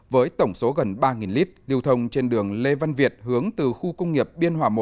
với tổng số gần ba lít điều thông trên đường lê văn việt hướng từ khu công nghiệp biên hòa một